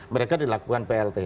mereka dilakukan plt